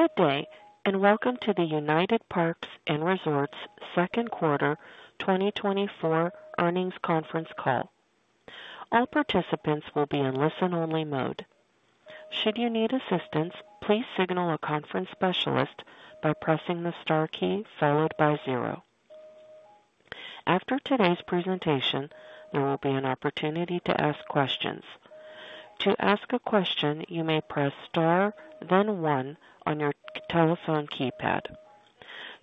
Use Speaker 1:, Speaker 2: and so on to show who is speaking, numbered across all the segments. Speaker 1: Good day, and welcome to the United Parks & Resorts Second Quarter 2024 Earnings Conference Call. All participants will be in listen-only mode. Should you need assistance, please signal a conference specialist by pressing the star key followed by 0. After today's presentation, there will be an opportunity to ask questions. To ask a question, you may press star, then 1 on your telephone keypad.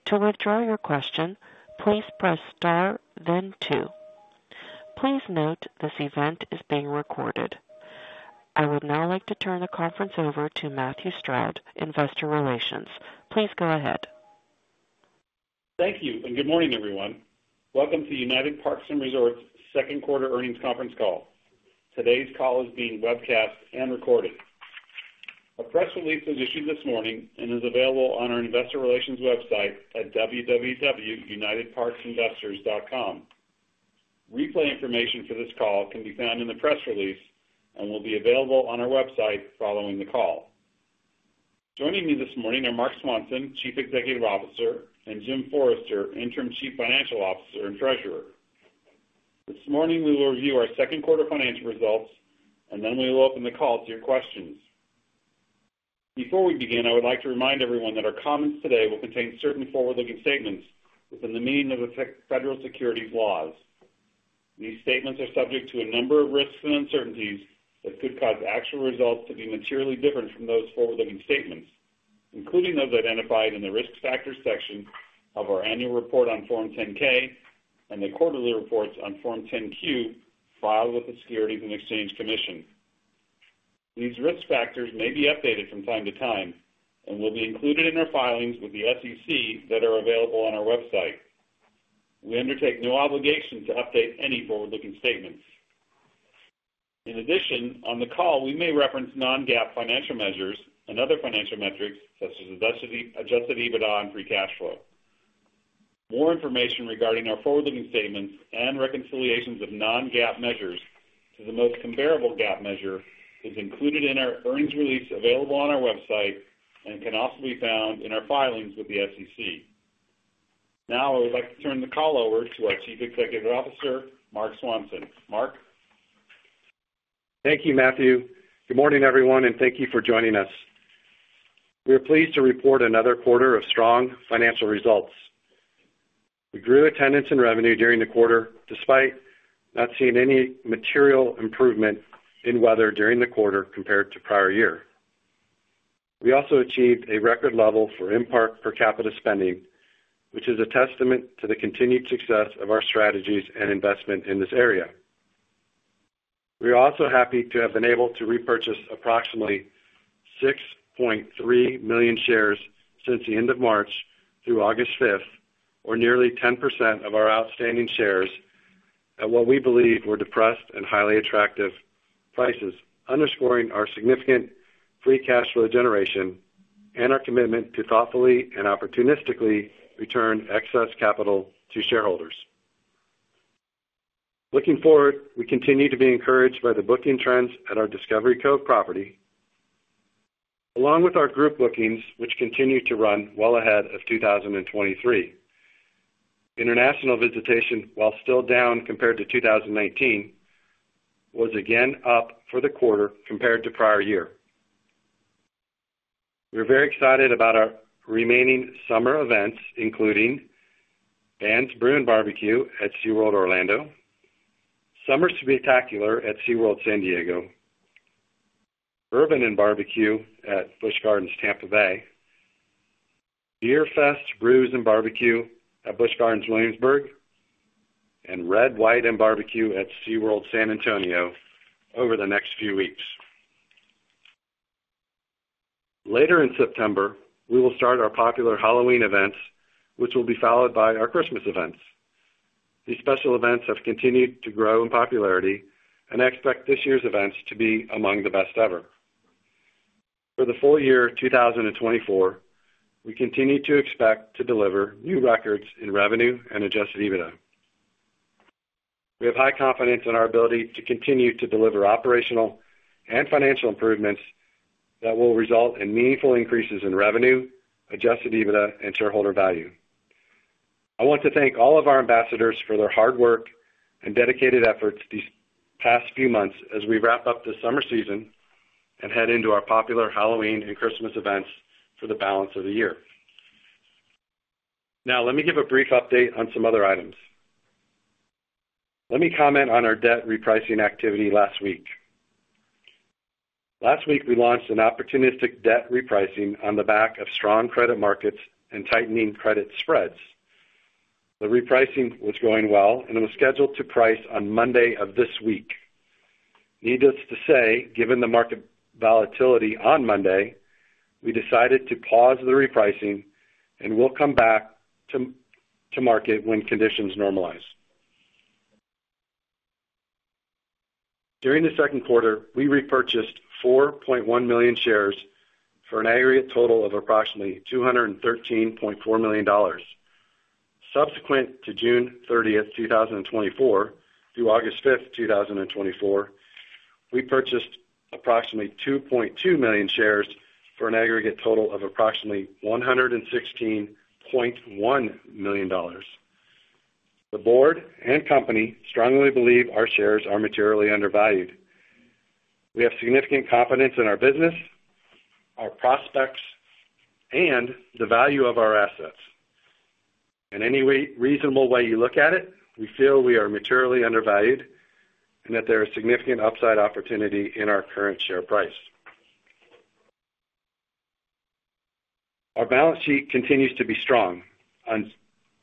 Speaker 1: To withdraw your question, please press star, then 2. Please note, this event is being recorded. I would now like to turn the conference over to Matthew Stroud, Investor Relations. Please go ahead.
Speaker 2: Thank you, and good morning, everyone. Welcome to United Parks & Resorts Second Quarter Earnings Conference Call. Today's call is being webcast and recorded. A press release was issued this morning and is available on our investor relations website at www.unitedparksinvestors.com. Replay information for this call can be found in the press release and will be available on our website following the call. Joining me this morning are Marc Swanson, Chief Executive Officer, and Jim Forrester, Interim Chief Financial Officer and Treasurer. This morning, we will review our second quarter financial results, and then we will open the call to your questions. Before we begin, I would like to remind everyone that our comments today will contain certain forward-looking statements within the meaning of the Federal Securities laws. These statements are subject to a number of risks and uncertainties that could cause actual results to be materially different from those forward-looking statements, including those identified in the Risk Factors section of our annual report on Form 10-K and the quarterly reports on Form 10-Q, filed with the Securities and Exchange Commission. These risk factors may be updated from time to time and will be included in our filings with the SEC that are available on our website. We undertake no obligation to update any forward-looking statements. In addition, on the call, we may reference non-GAAP financial measures and other financial metrics such as adjusted, Adjusted EBITDA and Free Cash Flow. More information regarding our forward-looking statements and reconciliations of non-GAAP measures to the most comparable GAAP measure is included in our earnings release available on our website and can also be found in our filings with the SEC. Now, I would like to turn the call over to our Chief Executive Officer, Marc Swanson. Marc?
Speaker 3: Thank you, Matthew. Good morning, everyone, and thank you for joining us. We are pleased to report another quarter of strong financial results. We grew attendance and revenue during the quarter, despite not seeing any material improvement in weather during the quarter compared to prior year. We also achieved a record level for in-park per capita spending, which is a testament to the continued success of our strategies and investment in this area. We are also happy to have been able to repurchase approximately 6.3 million shares since the end of March through August fifth, or nearly 10% of our outstanding shares, at what we believe were depressed and highly attractive prices, underscoring our significant free cash flow generation and our commitment to thoughtfully and opportunistically return excess capital to shareholders. Looking forward, we continue to be encouraged by the booking trends at our Discovery Cove property, along with our group bookings, which continue to run well ahead of 2023. International visitation, while still down compared to 2019, was again up for the quarter compared to prior year. We're very excited about our remaining summer events, including Bands, Brew and Barbecue at SeaWorld Orlando, Summer Spectacular at SeaWorld San Diego, Bourbon and Barbecue at Busch Gardens Tampa Bay, Bier Fest, Brews and Barbecue at Busch Gardens Williamsburg, and Red, White and Barbecue at SeaWorld San Antonio over the next few weeks. Later in September, we will start our popular Halloween events, which will be followed by our Christmas events. These special events have continued to grow in popularity and expect this year's events to be among the best ever. For the full year 2024, we continue to expect to deliver new records in revenue and Adjusted EBITDA. We have high confidence in our ability to continue to deliver operational and financial improvements that will result in meaningful increases in revenue, Adjusted EBITDA and shareholder value. I want to thank all of our ambassadors for their hard work and dedicated efforts these past few months as we wrap up the summer season and head into our popular Halloween and Christmas events for the balance of the year. Now, let me give a brief update on some other items. Let me comment on our debt repricing activity last week. Last week, we launched an opportunistic debt repricing on the back of strong credit markets and tightening credit spreads. The repricing was going well and was scheduled to price on Monday of this week. Needless to say, given the market volatility on Monday, we decided to pause the repricing and we'll come back to market when conditions normalize. During the second quarter, we repurchased 4.1 million shares for an aggregate total of approximately $213.4 million. Subsequent to June 30th, 2024, through August 5th, 2024, we purchased approximately 2.2 million shares for an aggregate total of approximately $116.1 million. The board and company strongly believe our shares are materially undervalued. We have significant confidence in our business, our prospects, and the value of our assets. In any reasonable way you look at it, we feel we are materially undervalued and that there is significant upside opportunity in our current share price. Our balance sheet continues to be strong. On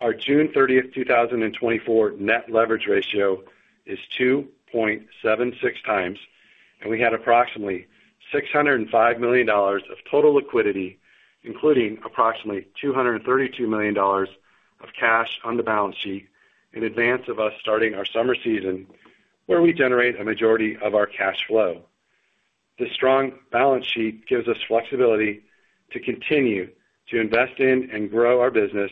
Speaker 3: our June thirtieth, 2024 net leverage ratio is 2.76 times, and we had approximately $605 million of total liquidity, including approximately $232 million of cash on the balance sheet in advance of us starting our summer season, where we generate a majority of our cash flow. This strong balance sheet gives us flexibility to continue to invest in and grow our business,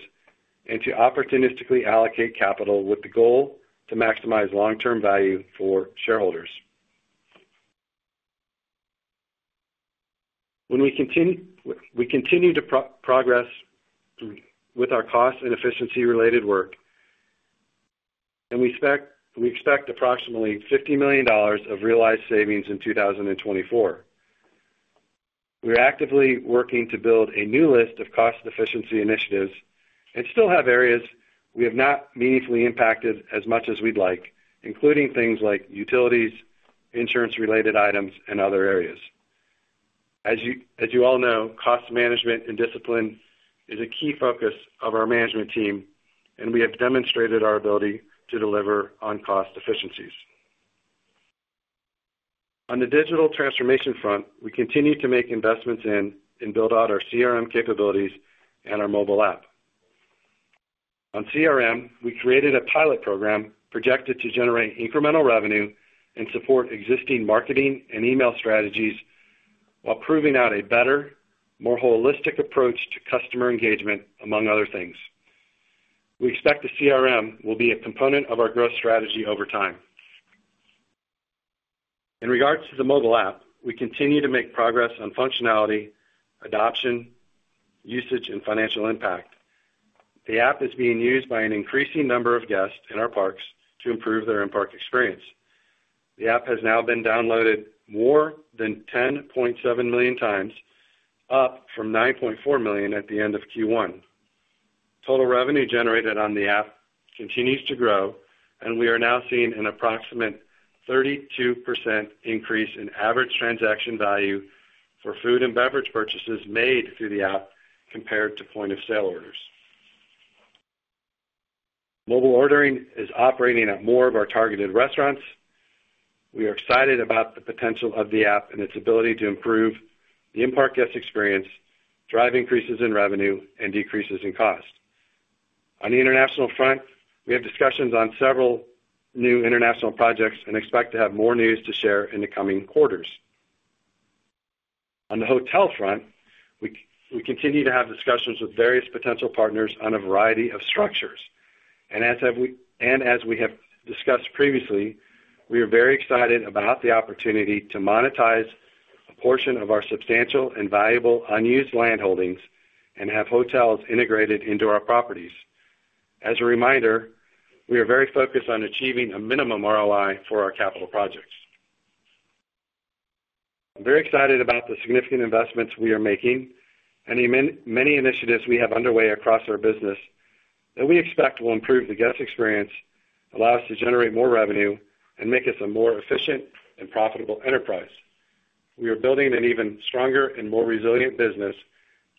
Speaker 3: and to opportunistically allocate capital with the goal to maximize long-term value for shareholders. We continue to progress with our cost and efficiency-related work, and we expect approximately $50 million of realized savings in 2024. We are actively working to build a new list of cost efficiency initiatives and still have areas we have not meaningfully impacted as much as we'd like, including things like utilities, insurance-related items, and other areas. As you all know, cost management and discipline is a key focus of our management team, and we have demonstrated our ability to deliver on cost efficiencies. On the digital transformation front, we continue to make investments in and build out our CRM capabilities and our mobile app. On CRM, we created a pilot program projected to generate incremental revenue and support existing marketing and email strategies while proving out a better, more holistic approach to customer engagement, among other things. We expect the CRM will be a component of our growth strategy over time. In regards to the mobile app, we continue to make progress on functionality, adoption, usage, and financial impact. The app is being used by an increasing number of guests in our parks to improve their in-park experience. The app has now been downloaded more than 10.7 million times, up from 9.4 million at the end of Q1. Total revenue generated on the app continues to grow, and we are now seeing an approximate 32% increase in average transaction value for food and beverage purchases made through the app compared to point-of-sale orders. Mobile ordering is operating at more of our targeted restaurants. We are excited about the potential of the app and its ability to improve the in-park guest experience, drive increases in revenue, and decreases in cost. On the international front, we have discussions on several new international projects and expect to have more news to share in the coming quarters. On the hotel front, we continue to have discussions with various potential partners on a variety of structures. And as we have discussed previously, we are very excited about the opportunity to monetize a portion of our substantial and valuable unused land holdings and have hotels integrated into our properties. As a reminder, we are very focused on achieving a minimum ROI for our capital projects. I'm very excited about the significant investments we are making and the many, many initiatives we have underway across our business that we expect will improve the guest experience, allow us to generate more revenue, and make us a more efficient and profitable enterprise. We are building an even stronger and more resilient business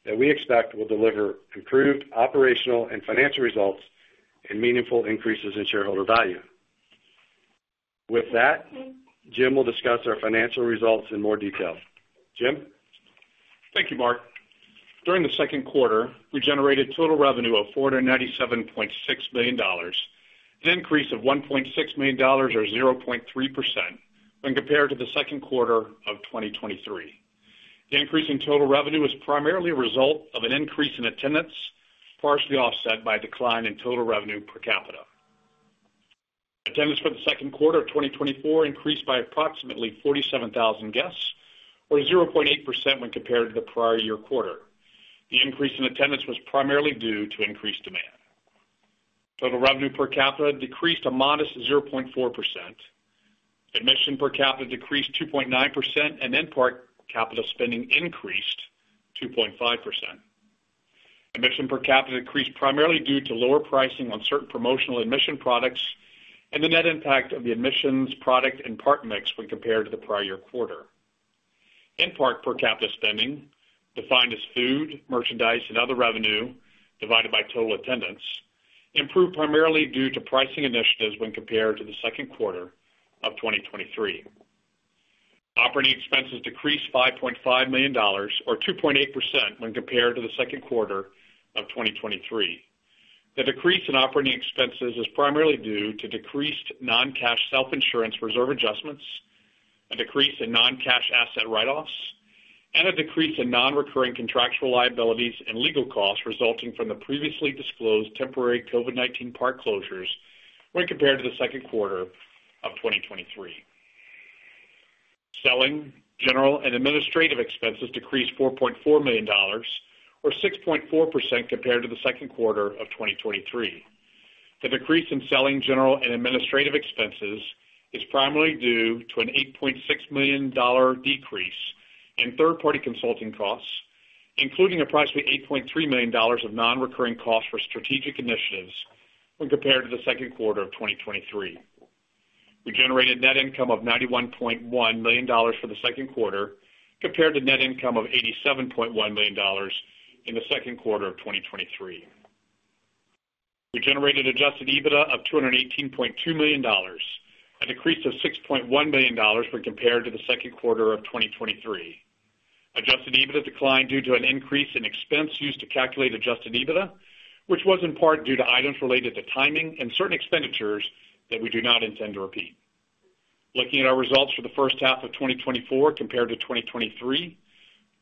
Speaker 3: that we expect will deliver improved operational and financial results and meaningful increases in shareholder value. With that, Jim will discuss our financial results in more detail. Jim?
Speaker 4: Thank you, Marc. During the second quarter, we generated total revenue of $497.6 million, an increase of $1.6 million, or 0.3%, when compared to the second quarter of 2023. The increase in total revenue was primarily a result of an increase in attendance, partially offset by a decline in total revenue per capita. Attendance for the second quarter of 2024 increased by approximately 47,000 guests, or 0.8% when compared to the prior year quarter. The increase in attendance was primarily due to increased demand. Total revenue per capita decreased a modest 0.4%. Admission per capita decreased 2.9%, and in-park per capita spending increased 2.5%. Admission per capita decreased primarily due to lower pricing on certain promotional admission products and the net impact of the admissions, product, and park mix when compared to the prior year quarter. In-park per capita spending, defined as food, merchandise, and other revenue divided by total attendance, improved primarily due to pricing initiatives when compared to the second quarter of 2023. Operating expenses decreased $5.5 million, or 2.8%, when compared to the second quarter of 2023. The decrease in operating expenses is primarily due to decreased non-cash self-insurance reserve adjustments, a decrease in non-cash asset write-offs, and a decrease in non-recurring contractual liabilities and legal costs resulting from the previously disclosed temporary COVID-19 park closures when compared to the second quarter of 2023. Selling, general and administrative expenses decreased $4.4 million, or 6.4% compared to the second quarter of 2023. The decrease in selling, general and administrative expenses is primarily due to an $8.6 million decrease in third-party consulting costs, including approximately $8.3 million of non-recurring costs for strategic initiatives when compared to the second quarter of 2023. We generated net income of $91.1 million for the second quarter, compared to net income of $87.1 million in the second quarter of 2023. We generated Adjusted EBITDA of $218.2 million, a decrease of $6.1 million when compared to the second quarter of 2023. Adjusted EBITDA declined due to an increase in expense used to calculate adjusted EBITDA, which was in part due to items related to timing and certain expenditures that we do not intend to repeat. Looking at our results for the first half of 2024 compared to 2023,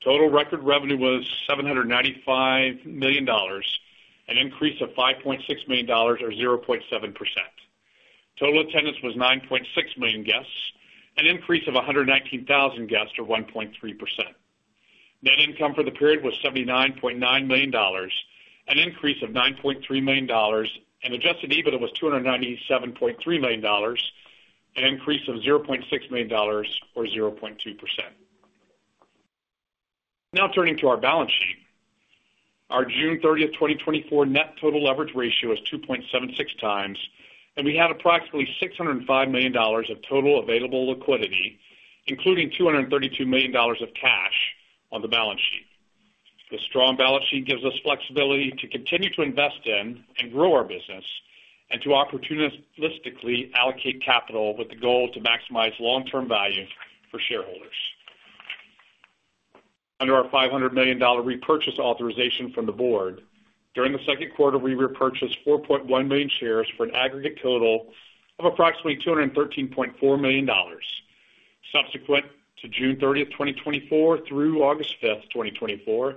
Speaker 4: total record revenue was $795 million, an increase of $5.6 million or 0.7%. Total attendance was 9.6 million guests, an increase of 119,000 guests, or 1.3%. Net income for the period was $79.9 million, an increase of $9.3 million, and adjusted EBITDA was $297.3 million, an increase of $0.6 million or 0.2%. Now turning to our balance sheet. Our June 30, 2024 net total leverage ratio is 2.76 times, and we have approximately $605 million of total available liquidity, including $232 million of cash on the balance sheet. The strong balance sheet gives us flexibility to continue to invest in and grow our business and to opportunistically allocate capital with the goal to maximize long-term value for shareholders. Under our $500 million repurchase authorization from the board, during the second quarter, we repurchased 4.1 million shares for an aggregate total of approximately $213.4 million. Subsequent to June 30, 2024 through August 5, 2024,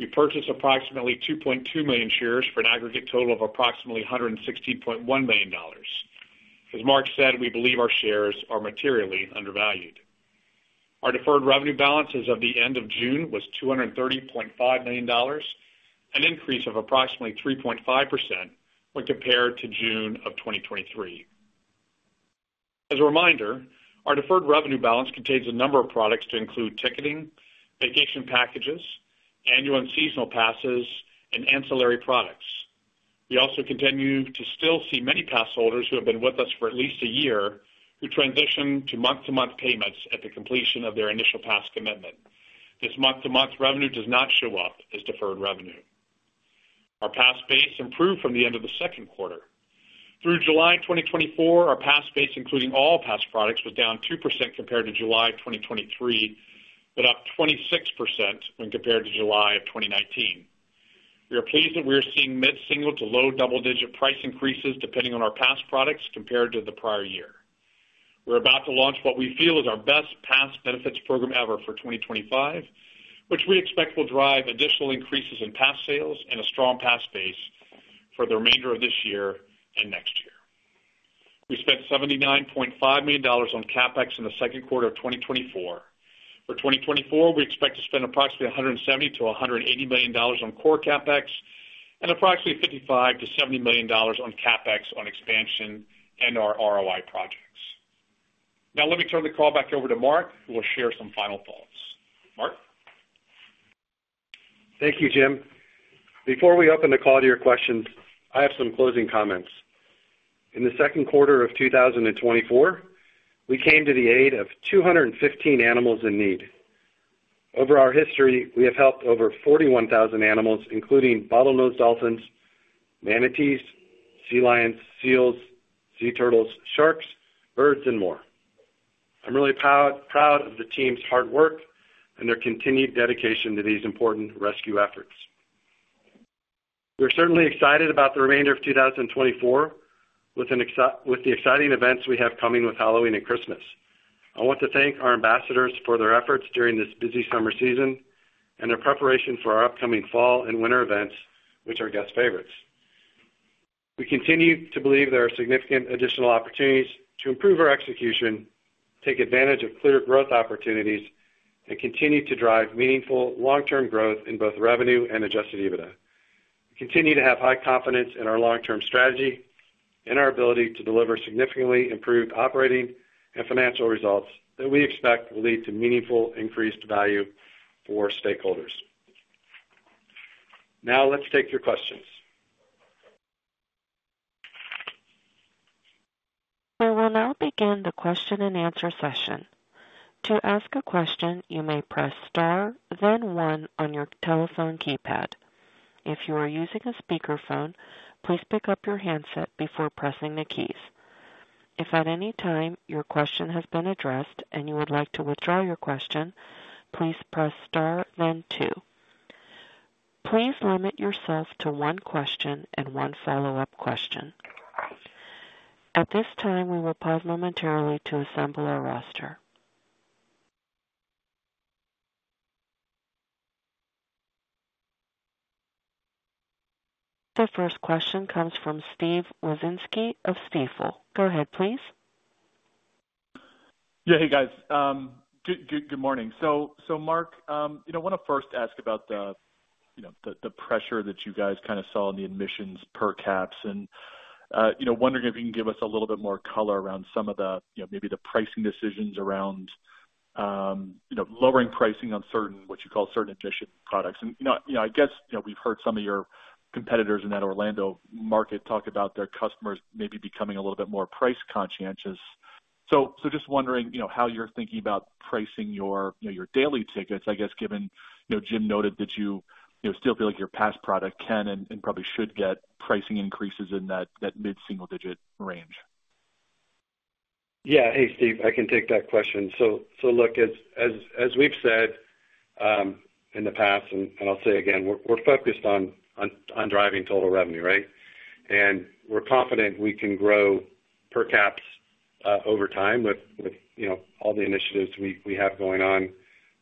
Speaker 4: we purchased approximately 2.2 million shares for an aggregate total of approximately $116.1 million. As Marc said, we believe our shares are materially undervalued. Our deferred revenue balance as of the end of June was $230.5 million, an increase of approximately 3.5% when compared to June 2023. As a reminder, our deferred revenue balance contains a number of products to include ticketing, vacation packages, annual and seasonal passes, and ancillary products. We also continue to still see many pass holders who have been with us for at least a year, who transition to month-to-month payments at the completion of their initial pass commitment. This month-to-month revenue does not show up as deferred revenue. Our pass base improved from the end of the second quarter. Through July 2024, our pass base, including all pass products, was down 2% compared to July 2023, but up 26% when compared to July 2019. We are pleased that we are seeing mid-single to low double-digit price increases depending on our pass products compared to the prior year. We're about to launch what we feel is our best pass benefits program ever for 2025, which we expect will drive additional increases in pass sales and a strong pass base for the remainder of this year and next year. We spent $79.5 million on CapEx in the second quarter of 2024. For 2024, we expect to spend approximately $170 million-$180 million on core CapEx and approximately $55 million-$70 million on CapEx on expansion and our ROI projects. Now, let me turn the call back over to Marc, who will share some final thoughts. Marc?
Speaker 3: Thank you, Jim. Before we open the call to your questions, I have some closing comments. In the second quarter of 2024, we came to the aid of 215 animals in need. Over our history, we have helped over 41,000 animals, including bottlenose dolphins, manatees, sea lions, seals, sea turtles, sharks, birds, and more. I'm really proud, proud of the team's hard work and their continued dedication to these important rescue efforts. We're certainly excited about the remainder of 2024 with the exciting events we have coming with Halloween and Christmas. I want to thank our ambassadors for their efforts during this busy summer season and their preparation for our upcoming fall and winter events, which are guest favorites. We continue to believe there are significant additional opportunities to improve our execution, take advantage of clear growth opportunities, and continue to drive meaningful long-term growth in both revenue and Adjusted EBITDA. We continue to have high confidence in our long-term strategy and our ability to deliver significantly improved operating and financial results that we expect will lead to meaningful increased value for stakeholders. Now, let's take your questions.
Speaker 1: We will now begin the question-and-answer session. To ask a question, you may press Star, then One on your telephone keypad. If you are using a speakerphone, please pick up your handset before pressing the keys. If at any time your question has been addressed and you would like to withdraw your question, please press Star then Two. Please limit yourself to one question and one follow-up question. At this time, we will pause momentarily to assemble our roster. The first question comes from Steven Wieczynski of Stifel. Go ahead, please.
Speaker 5: Yeah. Hey, guys. Good morning. So, Marc, you know, I want to first ask about the, you know, the pressure that you guys kind of saw in the admissions per caps and, you know, wondering if you can give us a little bit more color around some of the, you know, maybe the pricing decisions around, you know, lowering pricing on certain, what you call certain admission products. And, you know, I guess, you know, we've heard some of your competitors in that Orlando market talk about their customers maybe becoming a little bit more price conscious. So, just wondering, you know, how you're thinking about pricing your, you know, your daily tickets, I guess, given, you know, Jim noted that you, you know, still feel like your pass product can and probably should get pricing increases in that mid-single digit range.
Speaker 3: Yeah. Hey, Steve, I can take that question. So look, as we've said in the past, and I'll say again, we're focused on driving total revenue, right? And we're confident we can grow per caps over time with, you know, all the initiatives we have going on,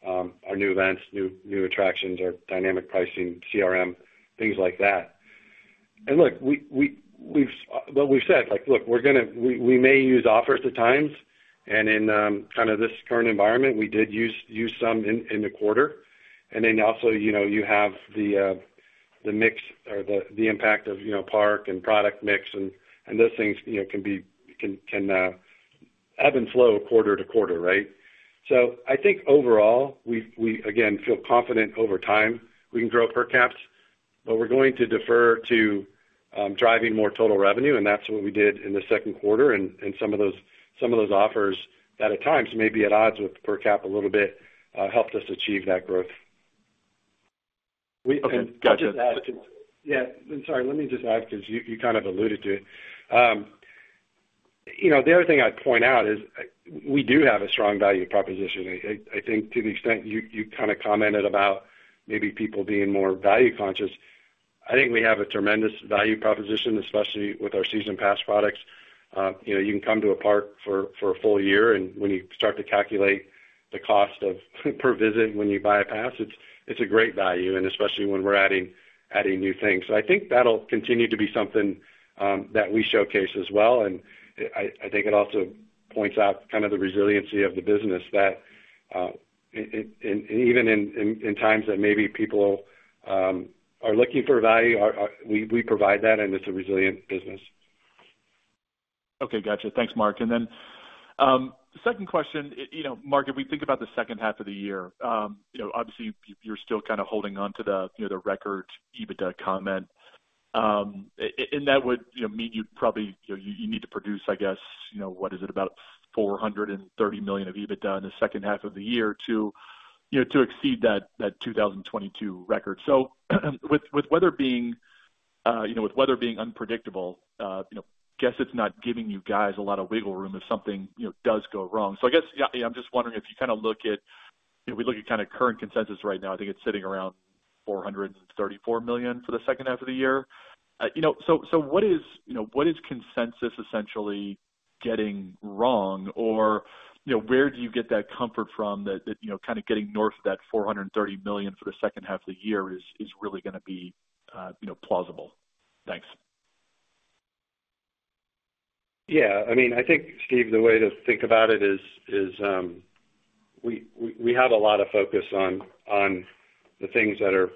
Speaker 3: our new events, new attractions, our dynamic pricing, CRM, things like that. And look, what we've said, like, look, we're gonna. We may use offers at times, and in kind of this current environment, we did use some in the quarter. And then also, you know, you have the mix or the impact of, you know, park and product mix and those things, you know, can ebb and flow quarter to quarter, right? So I think overall, we again feel confident over time we can grow per caps, but we're going to defer to driving more total revenue, and that's what we did in the second quarter. And some of those offers that at times may be at odds with per cap a little bit helped us achieve that growth.
Speaker 5: Okay, gotcha.
Speaker 3: Yeah, I'm sorry, let me just add, because you kind of alluded to it. You know, the other thing I'd point out is we do have a strong value proposition. I think to the extent you kind of commented about maybe people being more value conscious. I think we have a tremendous value proposition, especially with our season pass products. You know, you can come to a park for a full year, and when you start to calculate the cost of per visit when you buy a pass, it's a great value, and especially when we're adding new things. So I think that'll continue to be something that we showcase as well. I think it also points out kind of the resiliency of the business that and even in times that maybe people are looking for value, we provide that, and it's a resilient business.
Speaker 5: Okay, gotcha. Thanks, Marc. And then, second question. You know, Marc, if we think about the second half of the year, you know, obviously you're still kind of holding on to the, you know, the record EBITDA comment. And that would, you know, mean you'd probably, you know, you need to produce, I guess, you know, what is it? About $430 million of EBITDA in the second half of the year to, you know, to exceed that, that 2022 record. So with weather being unpredictable, you know, guess it's not giving you guys a lot of wiggle room if something, you know, does go wrong. So I guess, yeah, I'm just wondering if you kind of look at, if we look at kind of current consensus right now, I think it's sitting around $434 million for the second half of the year. You know, so what is, you know, what is consensus essentially getting wrong? Or, you know, where do you get that comfort from that, that you know, kind of getting north of that $430 million for the second half of the year is, is really gonna be, you know, plausible? Thanks.
Speaker 3: Yeah, I mean, I think, Steve, the way to think about it is we have a lot of focus on the things that are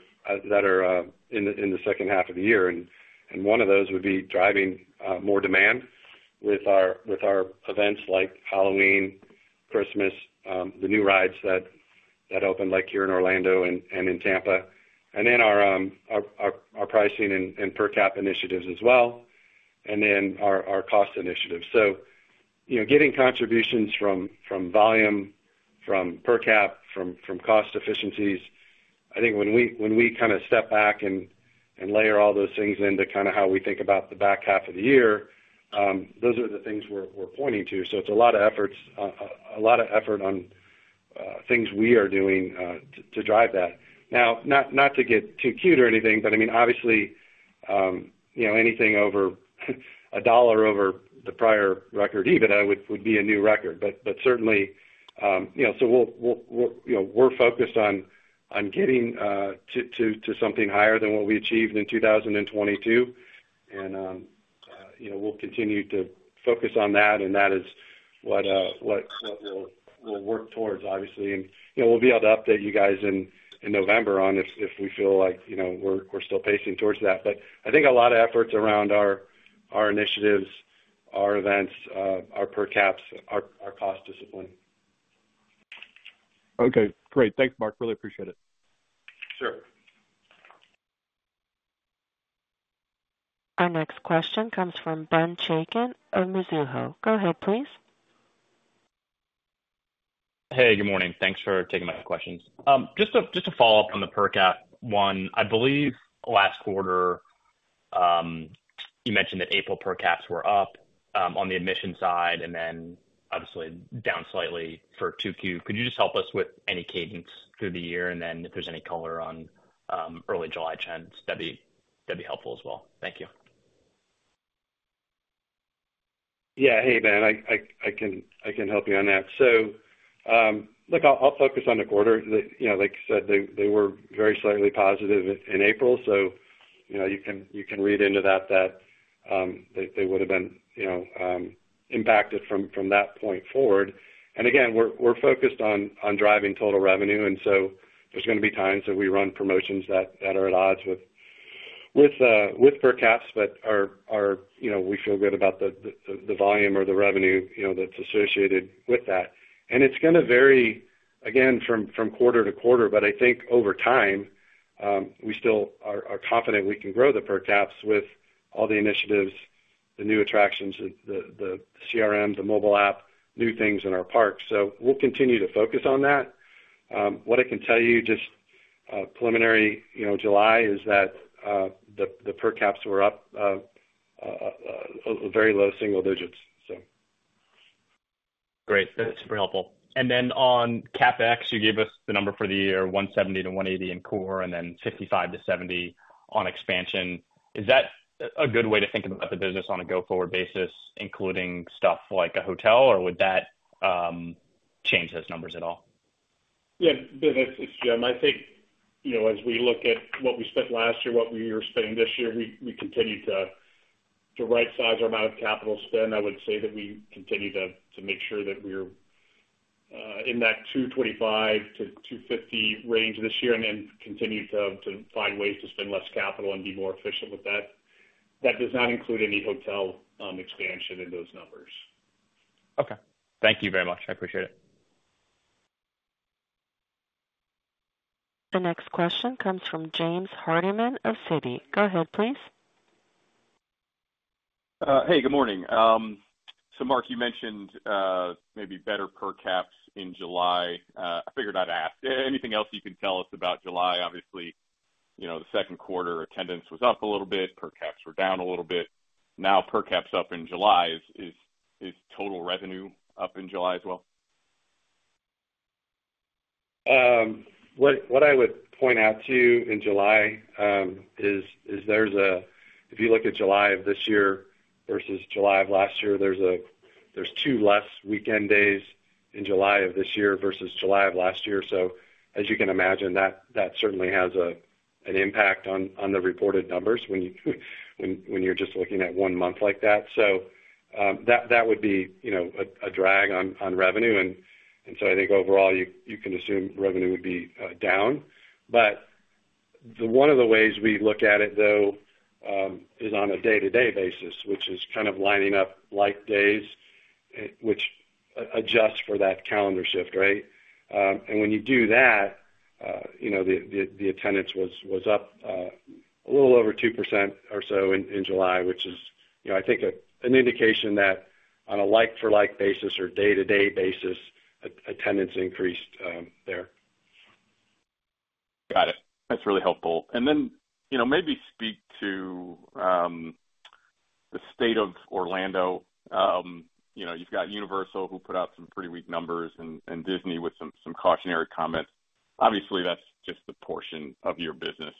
Speaker 3: in the second half of the year. And one of those would be driving more demand with our events like Halloween, Christmas, the new rides that opened, like here in Orlando and in Tampa, and then our pricing and per cap initiatives as well, and then our cost initiatives. So, you know, getting contributions from volume, from per cap, from cost efficiencies, I think when we kind of step back and layer all those things into kind of how we think about the back half of the year, those are the things we're pointing to. So it's a lot of efforts, a lot of effort on things we are doing to drive that. Now, not to get too cute or anything, but I mean, obviously, you know, anything over $1 over the prior record EBITDA would be a new record. But certainly, you know, so we'll... You know, we're focused on getting to something higher than what we achieved in 2022. And, you know, we'll continue to focus on that, and that is what we'll work towards, obviously. And, you know, we'll be able to update you guys in November on if we feel like, you know, we're still pacing towards that. But I think a lot of efforts around our initiatives, our events, our per caps, our cost discipline.
Speaker 5: Okay, great. Thanks, Marc. Really appreciate it.
Speaker 3: Sure.
Speaker 1: Our next question comes from Ben Chaiken of Mizuho. Go ahead, please.
Speaker 6: Hey, good morning. Thanks for taking my questions. Just to, just to follow up on the per cap one, I believe last quarter, you mentioned that April per caps were up, on the admission side and then obviously down slightly for 2Q. Could you just help us with any cadence through the year? And then if there's any color on, early July trends, that'd be, that'd be helpful as well. Thank you....
Speaker 3: Yeah. Hey, Ben, I can help you on that. So, look, I'll focus on the quarter. You know, like you said, they were very slightly positive in April, so, you know, you can read into that that they would've been, you know, impacted from that point forward. And again, we're focused on driving total revenue, and so there's gonna be times that we run promotions that are at odds with per caps, but are, you know, we feel good about the volume or the revenue, you know, that's associated with that. It's gonna vary, again, from quarter to quarter, but I think over time, we still are confident we can grow the per caps with all the initiatives, the new attractions, the CRMs, the mobile app, new things in our parks. So we'll continue to focus on that. What I can tell you, just preliminary, you know, July, is that the per caps were up very low single digits, so.
Speaker 6: Great. That's super helpful. And then on CapEx, you gave us the number for the year, $170-$180 in core, and then $55-$70 on expansion. Is that a good way to think about the business on a go-forward basis, including stuff like a hotel, or would that, change those numbers at all?
Speaker 4: Yeah, Ben, it's Jim. I think, you know, as we look at what we spent last year, what we are spending this year, we continue to rightsize our amount of capital spend. I would say that we continue to make sure that we're in that $225-$250 range this year, and then continue to find ways to spend less capital and be more efficient with that. That does not include any hotel expansion in those numbers.
Speaker 6: Okay. Thank you very much. I appreciate it.
Speaker 1: The next question comes from James Hardiman of Citi. Go ahead, please.
Speaker 7: Hey, good morning. So Marc, you mentioned maybe better per caps in July. I figured I'd ask, anything else you can tell us about July? Obviously, you know, the second quarter, attendance was up a little bit, per caps were down a little bit. Now, per caps up in July. Is total revenue up in July as well?
Speaker 3: What I would point out to you in July is there's a—if you look at July of this year versus July of last year, there's two less weekend days in July of this year versus July of last year. So as you can imagine, that certainly has an impact on the reported numbers when you're just looking at one month like that. So, that would be, you know, a drag on revenue. And so I think overall, you can assume revenue would be down. But one of the ways we look at it, though, is on a day-to-day basis, which is kind of lining up like days, which adjusts for that calendar shift, right? And when you do that, you know, the attendance was up a little over 2% or so in July, which is, you know, I think, an indication that on a like for like basis or day-to-day basis, attendance increased there.
Speaker 7: Got it. That's really helpful. And then, you know, maybe speak to the state of Orlando. You know, you've got Universal, who put out some pretty weak numbers and Disney with some cautionary comments. Obviously, that's just a portion of your business.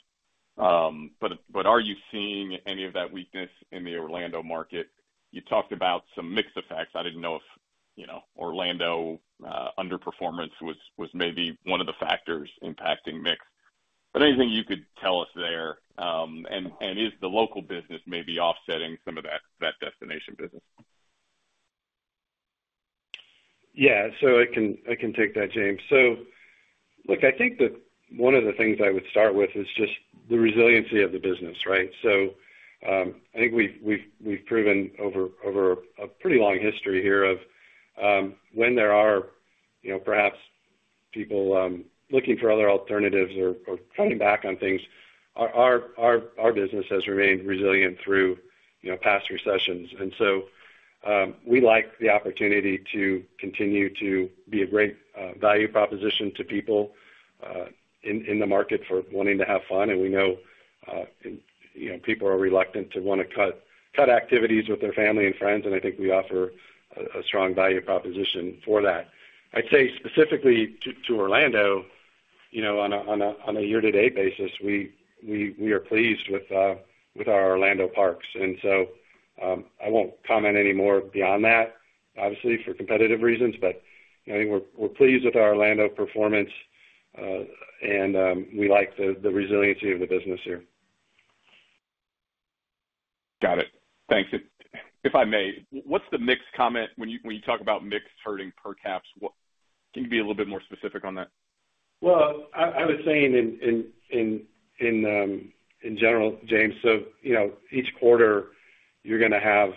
Speaker 7: But are you seeing any of that weakness in the Orlando market? You talked about some mix effects. I didn't know if, you know, Orlando underperformance was maybe one of the factors impacting mix. But anything you could tell us there, and is the local business maybe offsetting some of that destination business?
Speaker 3: Yeah. So I can take that, James. So look, I think that one of the things I would start with is just the resiliency of the business, right? So I think we've proven over a pretty long history here of when there are, you know, perhaps people looking for other alternatives or cutting back on things, our business has remained resilient through, you know, past recessions. And so we like the opportunity to continue to be a great value proposition to people in the market for wanting to have fun. And we know, you know, people are reluctant to wanna cut activities with their family and friends, and I think we offer a strong value proposition for that. I'd say specifically to Orlando, you know, on a year-to-date basis, we are pleased with our Orlando parks. And so, I won't comment anymore beyond that, obviously, for competitive reasons, but, you know, I think we're pleased with our Orlando performance, and we like the resiliency of the business here.
Speaker 7: Got it. Thanks. If I may, what's the mixed comment when you talk about mixed hurting per caps? Can you be a little bit more specific on that?
Speaker 3: Well, I was saying in general, James, so you know, each quarter you're gonna have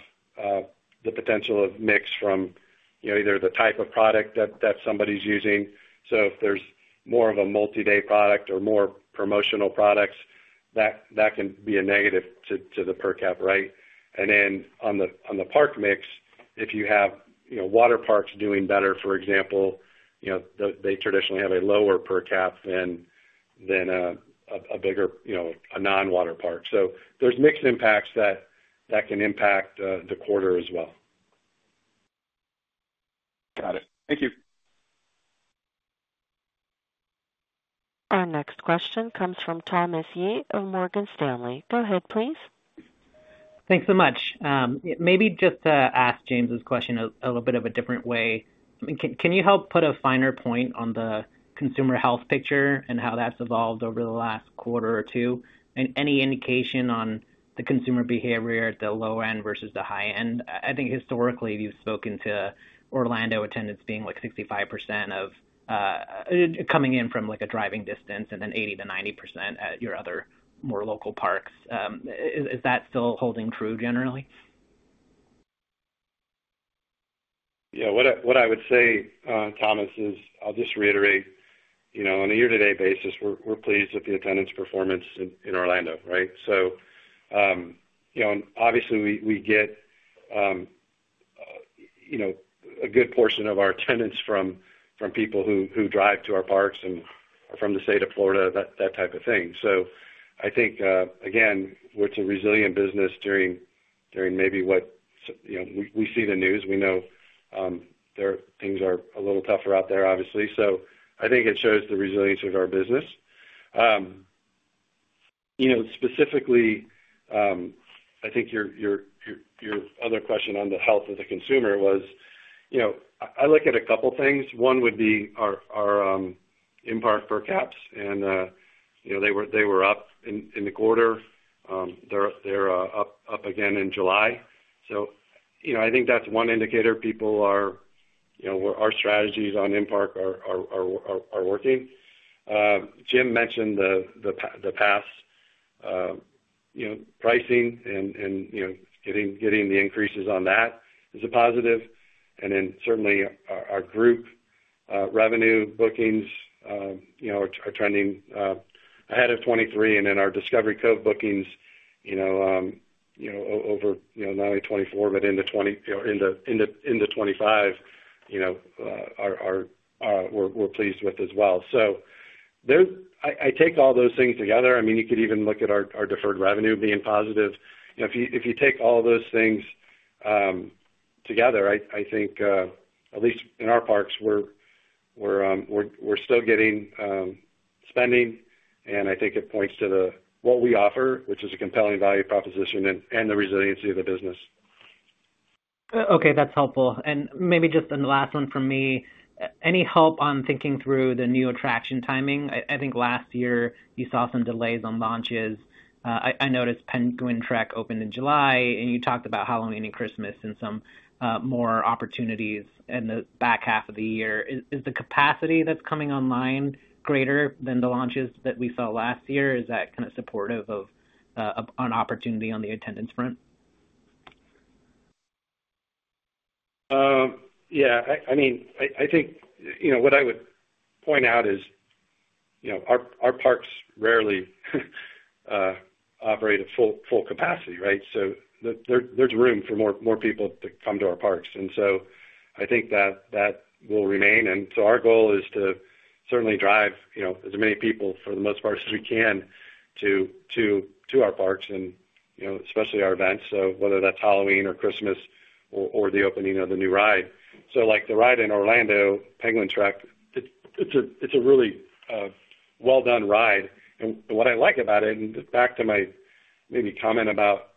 Speaker 3: the potential of mix from, you know, either the type of product that somebody's using. So if there's more of a multi-day product or more promotional products, that can be a negative to the per cap, right? And then on the park mix, if you have, you know, water parks doing better, for example, you know, they traditionally have a lower per cap than a bigger, you know, a non-water park. So there's mixed impacts that can impact the quarter as well.
Speaker 7: Got it. Thank you.
Speaker 1: Our next question comes from Thomas Yeh of Morgan Stanley. Go ahead, please.
Speaker 8: Thanks so much. Maybe just to ask James' question a little bit of a different way. Can you help put a finer point on the consumer health picture and how that's evolved over the last quarter or two? And any indication on the consumer behavior at the low end versus the high end? I think historically, you've spoken to Orlando attendance being like 65% of coming in from, like, a driving distance, and then 80%-90% at your other more local parks. Is that still holding true generally?
Speaker 3: Yeah, what I would say, Thomas, is I'll just reiterate, you know, on a year-to-date basis, we're pleased with the attendance performance in Orlando, right? So, you know, and obviously, we get, you know, a good portion of our attendance from people who drive to our parks and are from the state of Florida, that type of thing. So I think, again, it's a resilient business during maybe what-- You know, we see the news. We know, there are things are a little tougher out there, obviously, so I think it shows the resilience of our business. You know, specifically, I think your other question on the health of the consumer was, you know, I look at a couple things. One would be our in-park per caps, and you know, they were up in the quarter. They're up again in July. So, you know, I think that's one indicator people are, you know. Our strategies on in-park are working. Jim mentioned the pass, you know, pricing and, you know, getting the increases on that is a positive. And then certainly our group revenue bookings, you know, are trending ahead of 2023, and then our Discovery Cove bookings, you know, over, you know, not only 2024, but into 2020, you know, into 2025, you know, are, we're pleased with as well. So there, I take all those things together. I mean, you could even look at our deferred revenue being positive. You know, if you take all those things together, I think at least in our parks, we're still getting spending, and I think it points to what we offer, which is a compelling value proposition and the resiliency of the business.
Speaker 8: Okay, that's helpful. And maybe just then the last one from me, any help on thinking through the new attraction timing? I think last year you saw some delays on launches. I noticed Penguin Trek opened in July, and you talked about Halloween and Christmas and some, more opportunities in the back half of the year. Is the capacity that's coming online greater than the launches that we saw last year? Is that kind of supportive of an opportunity on the attendance front?
Speaker 3: Yeah, I mean, I think, you know, what I would point out is, you know, our parks rarely operate at full capacity, right? So there's room for more people to come to our parks, and so I think that that will remain. And so our goal is to certainly drive, you know, as many people, for the most part, as we can, to our parks and, you know, especially our events, so whether that's Halloween or Christmas or the opening of the new ride. So like the ride in Orlando, Penguin Trek, it's a really well-done ride. And what I like about it, and back to my maybe comment about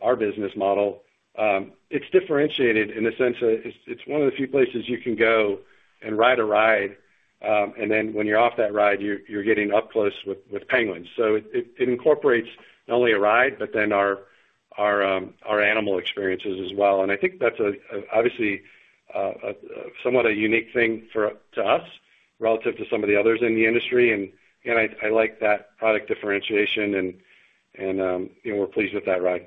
Speaker 3: our business model, it's differentiated in the sense that it's one of the few places you can go and ride a ride, and then when you're off that ride, you're getting up close with penguins. So it incorporates not only a ride, but then our animal experiences as well. And I think that's obviously somewhat a unique thing for us, relative to some of the others in the industry. And, you know, I like that product differentiation, and you know, we're pleased with that ride.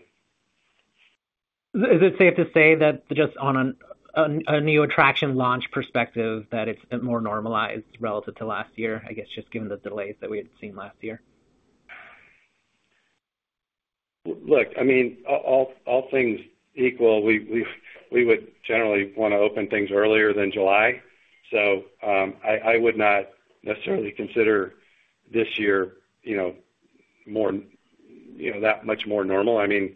Speaker 8: Is it safe to say that just on a new attraction launch perspective, that it's more normalized relative to last year, I guess, just given the delays that we had seen last year?
Speaker 3: Look, I mean, all things equal, we would generally wanna open things earlier than July, so I would not necessarily consider this year, you know, more, you know, that much more normal. I mean,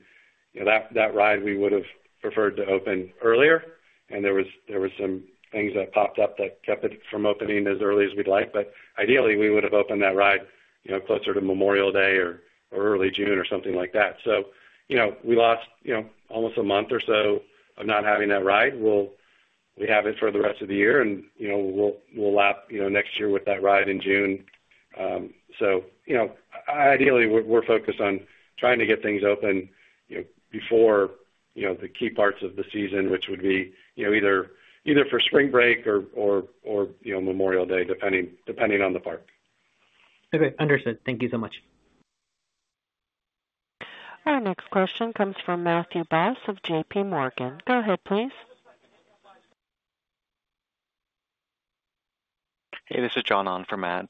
Speaker 3: you know, that ride we would have preferred to open earlier, and there were some things that popped up that kept it from opening as early as we'd like. But ideally, we would have opened that ride, you know, closer to Memorial Day or early June or something like that. So, you know, we lost, you know, almost a month or so of not having that ride. We'll have it for the rest of the year, and, you know, we'll lap, you know, next year with that ride in June. So, you know, ideally, we're focused on trying to get things open, you know, before, you know, the key parts of the season, which would be, you know, either for spring break or, you know, Memorial Day, depending on the park.
Speaker 8: Okay, understood. Thank you so much.
Speaker 1: Our next question comes from Matthew Boss of J.P. Morgan. Go ahead, please.
Speaker 9: Hey, this is John on for Matt.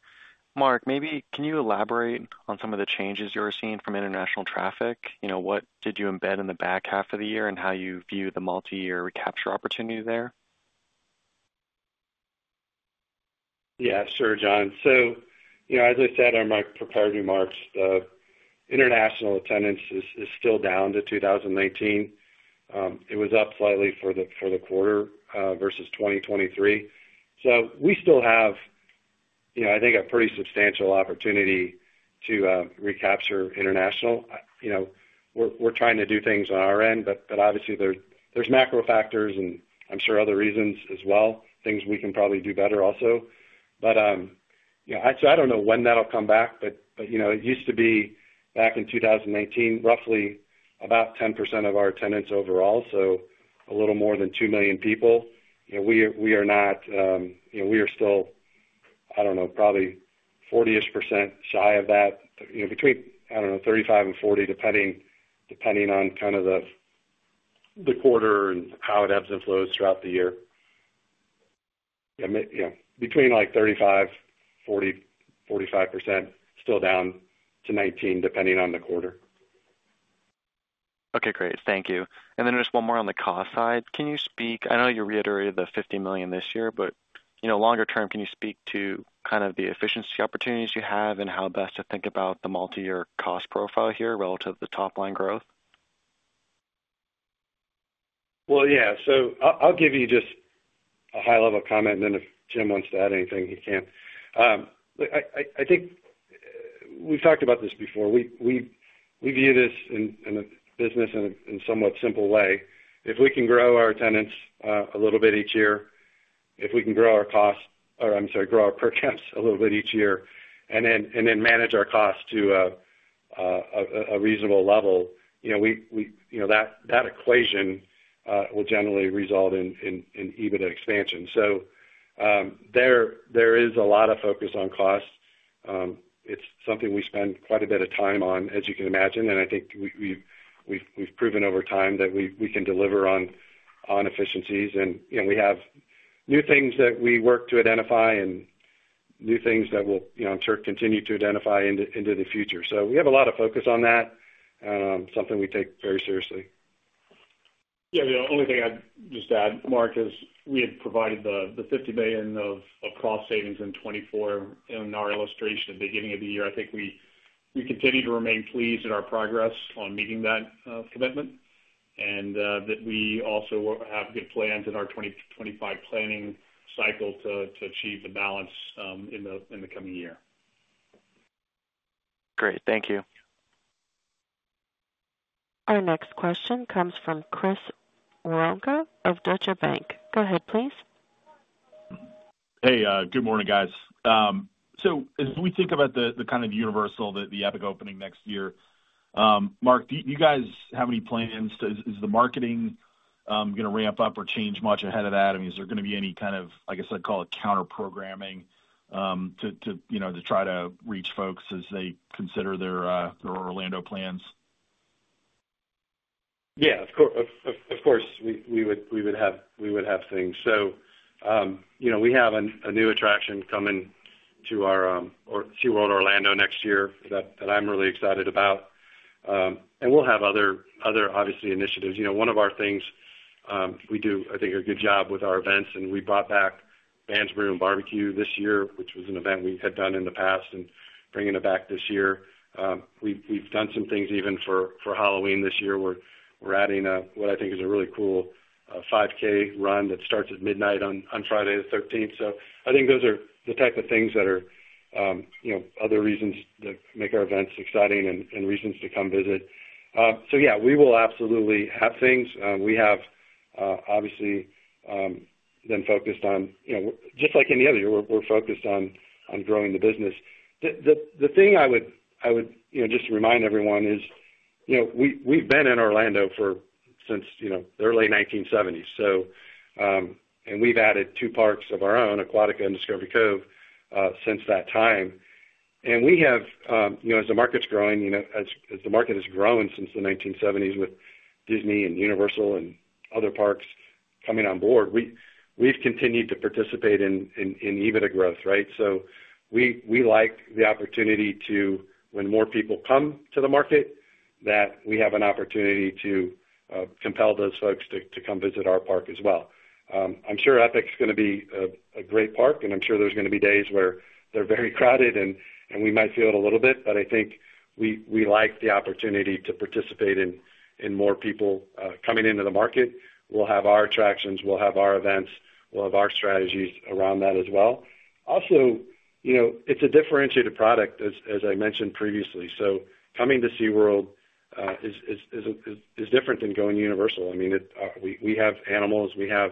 Speaker 9: Marc, maybe can you elaborate on some of the changes you're seeing from international traffic? You know, what did you embed in the back half of the year and how you view the multi-year recapture opportunity there?
Speaker 3: Yeah, sure, John. So, you know, as I said in my prepared remarks, international attendance is, is still down to 2019. It was up slightly for the, for the quarter, versus 2023. So we still have, you know, I think a pretty substantial opportunity to recapture international. You know, we're, we're trying to do things on our end, but, but obviously, there, there's macro factors, and I'm sure other reasons as well, things we can probably do better also. But, you know, so I don't know when that'll come back, but, but, you know, it used to be back in 2019, roughly about 10% of our attendance overall, so a little more than 2 million people. You know, we are, we are not, you know, we are still, I don't know, probably 40-ish% shy of that, you know, between, I don't know, 35 and 40, depending on kind of the quarter and how it ebbs and flows throughout the year. Yeah, yeah, between like 35, 40, 45%, still down to 19, depending on the quarter.
Speaker 9: Okay, great. Thank you. And then just one more on the cost side. Can you speak—I know you reiterated the $50 million this year, but, you know, longer term, can you speak to kind of the efficiency opportunities you have and how best to think about the multi-year cost profile here relative to the top line growth?
Speaker 3: Well, yeah. So I'll give you just a high-level comment, and then if Jim wants to add anything, he can. Look, I think we've talked about this before. We view this business in a somewhat simple way. If we can grow our attendance a little bit each year, if we can grow our costs, or I'm sorry, grow our per caps a little bit each year, and then manage our costs to a reasonable level, you know, we you know that equation will generally result in EBITDA expansion. So, there is a lot of focus on costs. It's something we spend quite a bit of time on, as you can imagine, and I think we've proven over time that we can deliver on efficiencies and, you know, we have new things that we work to identify and new things that we'll, you know, I'm sure continue to identify into the future. So we have a lot of focus on that, something we take very seriously.
Speaker 4: Yeah, the only thing I'd just add, Marc, is we had provided the $50 million of cost savings in 2024 in our illustration at the beginning of the year. I think we continue to remain pleased in our progress on meeting that commitment and that we also have good plans in our 2025 planning cycle to achieve the balance in the coming year.
Speaker 9: Great. Thank you.
Speaker 1: Our next question comes from Chris Woronka of Deutsche Bank. Go ahead, please.
Speaker 10: Hey, good morning, guys. So as we think about the kind of Universal, the Epic opening next year, Marc, do you guys have any plans to... Is the marketing gonna ramp up or change much ahead of that? I mean, is there gonna be any kind of, like I said, call it counterprogramming, to you know, to try to reach folks as they consider their Orlando plans?
Speaker 3: Yeah, of course, we would have things. So, you know, we have a new attraction coming to our SeaWorld Orlando next year that I'm really excited about. And we'll have other obviously initiatives. You know, one of our things, we do, I think, a good job with our events, and we brought back Bands, Brew, and Barbecue this year, which was an event we had done in the past and bringing it back this year. We've done some things even for Halloween this year. We're adding a what I think is a really cool 5K run that starts at midnight on Friday the 13th. So I think those are the type of things that are, you know, other reasons that make our events exciting and reasons to come visit. So yeah, we will absolutely have things. We have, obviously, been focused on, you know, just like any other year, we're focused on growing the business. The thing I would, you know, just remind everyone is, you know, we've been in Orlando since, you know, the early 1970s, so and we've added two parks of our own, Aquatica and Discovery Cove, since that time. And we have, you know, as the market's growing, you know, as the market has grown since the 1970s with Disney and Universal and other parks coming on board, we've continued to participate in EBITDA growth, right? So we like the opportunity to, when more people come to the market, that we have an opportunity to compel those folks to come visit our park as well. I'm sure Epic's gonna be a great park, and I'm sure there's gonna be days where they're very crowded and we might feel it a little bit, but I think we like the opportunity to participate in more people coming into the market. We'll have our attractions, we'll have our events, we'll have our strategies around that as well. Also, you know, it's a differentiated product, as I mentioned previously. So coming to SeaWorld is different than going Universal. I mean, it we have animals, we have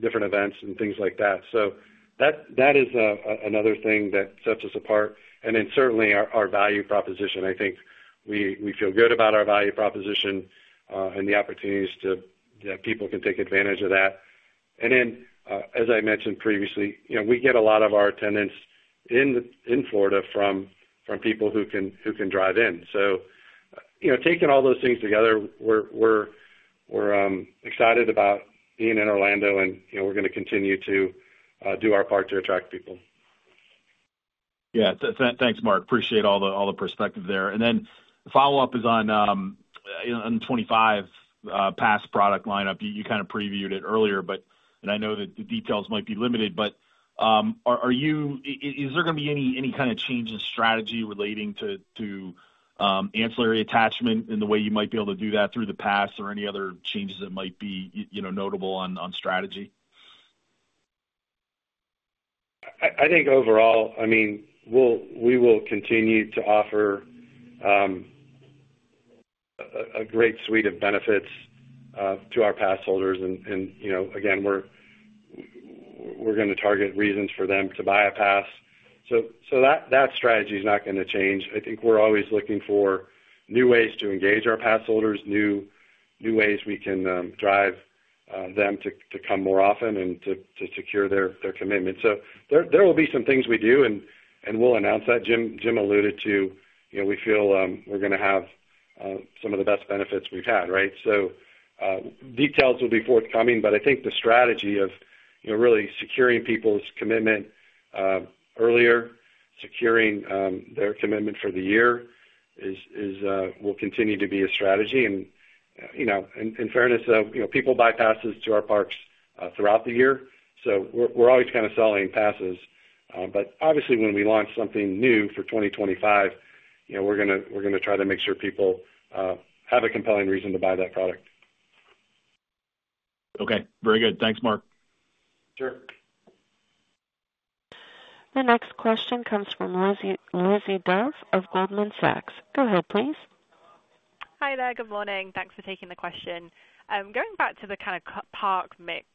Speaker 3: different events and things like that. So that is another thing that sets us apart. And then certainly our value proposition. I think we feel good about our value proposition, and the opportunities to people can take advantage of that. And then, as I mentioned previously, you know, we get a lot of our attendance in Florida from people who can drive in. So, you know, taking all those things together, we're excited about being in Orlando and, you know, we're gonna continue to do our part to attract people.
Speaker 10: Yeah. Thanks, Marc. Appreciate all the, all the perspective there. And then the follow-up is on 2025 pass product lineup. You kind of previewed it earlier, but and I know that the details might be limited, but are you—is there going to be any kind of change in strategy relating to ancillary attachment in the way you might be able to do that through the pass or any other changes that might be, you know, notable on strategy?
Speaker 3: I think overall, I mean, we will continue to offer a great suite of benefits to our pass holders. And you know, again, we're going to target reasons for them to buy a pass. So that strategy is not going to change. I think we're always looking for new ways to engage our pass holders, new ways we can drive them to come more often and to secure their commitment. So there will be some things we do and we'll announce that. Jim alluded to, you know, we feel we're gonna have some of the best benefits we've had, right? So, details will be forthcoming, but I think the strategy of, you know, really securing people's commitment, securing their commitment for the year is, will continue to be a strategy. And, you know, in fairness, you know, people buy passes to our parks throughout the year, so we're always kind of selling passes. But obviously, when we launch something new for 2025, you know, we're gonna try to make sure people have a compelling reason to buy that product.
Speaker 10: Okay, very good. Thanks, Marc.
Speaker 3: Sure.
Speaker 1: The next question comes from Lizzie Dove of Goldman Sachs. Go ahead, please. Hi there. Good morning. Thanks for taking the question. Going back to the kind of park mix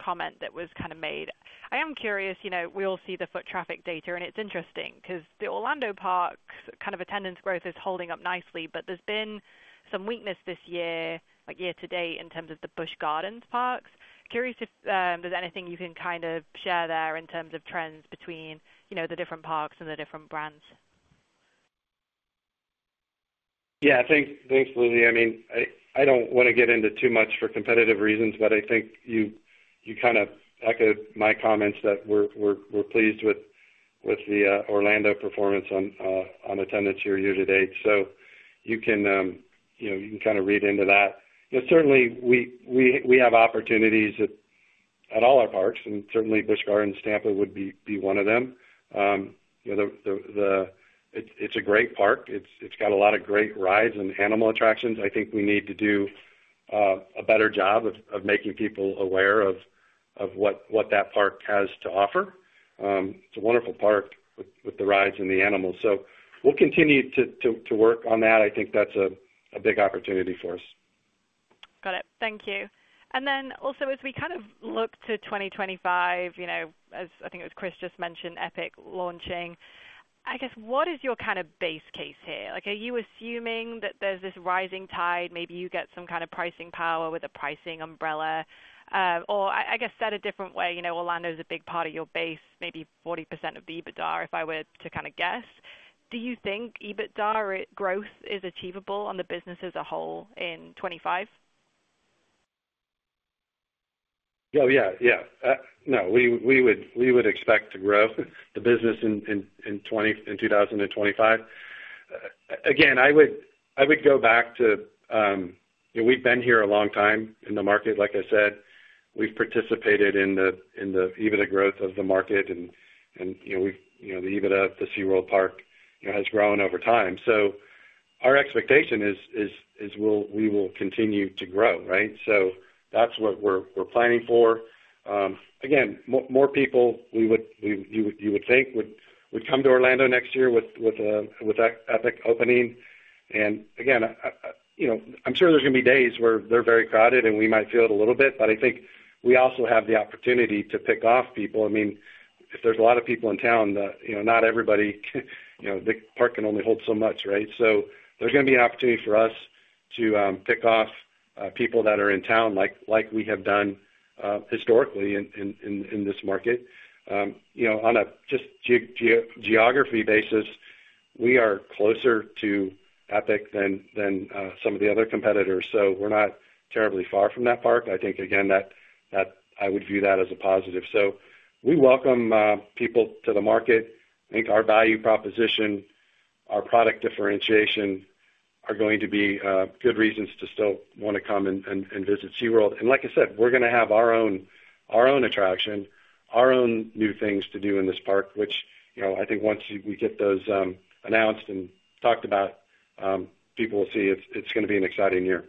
Speaker 1: comment that was kind of made, I am curious, you know, we all see the foot traffic data, and it's interesting because the Orlando parks kind of attendance growth is holding up nicely, but there's been some weakness this year, like year to date, in terms of the Busch Gardens parks. Curious if there's anything you can kind of share there in terms of trends between, you know, the different parks and the different brands?
Speaker 3: Yeah, thanks, thanks, Lizzie. I mean, I don't want to get into too much for competitive reasons, but I think you kind of echoed my comments that we're pleased with the Orlando performance on attendance year to date. So you can, you know, you can kind of read into that. You know, certainly, we have opportunities at all our parks, and certainly Busch Gardens, Tampa would be one of them. You know, it's a great park. It's got a lot of great rides and animal attractions. I think we need to do a better job of making people aware of what that park has to offer. It's a wonderful park with the rides and the animals, so we'll continue to work on that. I think that's a big opportunity for us.
Speaker 11: Got it. Thank you. And then also, as we kind of look to 2025, you know, as I think it was Chris just mentioned, Epic launching, I guess, what is your kind of base case here? Like, are you assuming that there's this rising tide, maybe you get some kind of pricing power with a pricing umbrella? Or I, I guess, said a different way, you know, Orlando is a big part of your base, maybe 40% of the EBITDA, if I were to kind of guess. Do you think EBITDA growth is achievable on the business as a whole in 2025?
Speaker 3: Oh, yeah. Yeah. No, we would expect to grow the business in 2025. Again, I would go back to, you know, we've been here a long time in the market. Like I said, we've participated in the EBITDA growth of the market and, you know, the EBITDA, the SeaWorld Park has grown over time. So our expectation is we'll continue to grow, right? So that's what we're planning for. Again, more people, you would think would come to Orlando next year with that Epic opening. And again, you know, I'm sure there's going to be days where they're very crowded, and we might feel it a little bit, but I think we also have the opportunity to pick off people. I mean, if there's a lot of people in town, the, you know, not everybody, you know, the park can only hold so much, right? So there's gonna be an opportunity for us to pick off people that are in town like we have done historically in this market. You know, on a just geography basis, we are closer to Epic than some of the other competitors, so we're not terribly far from that park. I think again, that, I would view that as a positive. So we welcome people to the market. I think our value proposition, our product differentiation, are going to be good reasons to still want to come and visit SeaWorld. And like I said, we're gonna have our own, our own attraction, our own new things to do in this park, which, you know, I think once we get those announced and talked about, people will see it's, it's gonna be an exciting year.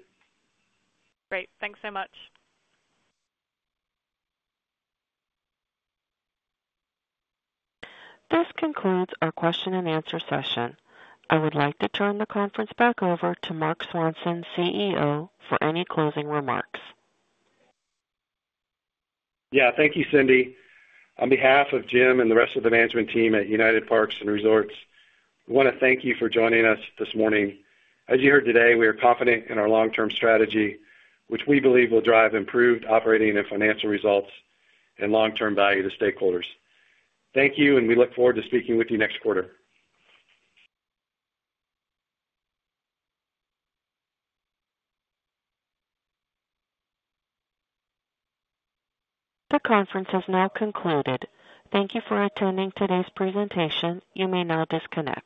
Speaker 11: Great. Thanks so much.
Speaker 1: This concludes our question and answer session. I would like to turn the conference back over to Marc Swanson, CEO, for any closing remarks.
Speaker 3: Yeah, thank you, Cindy. On behalf of Jim and the rest of the management team at United Parks & Resorts, we want to thank you for joining us this morning. As you heard today, we are confident in our long-term strategy, which we believe will drive improved operating and financial results and long-term value to stakeholders. Thank you, and we look forward to speaking with you next quarter.
Speaker 1: The conference has now concluded. Thank you for attending today's presentation. You may now disconnect.